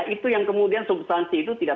itu yang kemudian substansi itu tidak